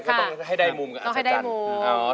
ก็ต้องให้ได้มุมกับอัศจรรย์